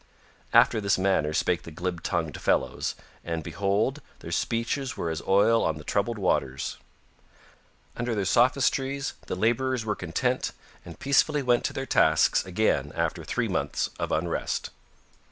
After this manner spake the glib tongued fellows and, behold, their speeches were as oil on the troubled waters. Under their sophistries the laborers were content and peacefully went to their tasks again after three months of unrest.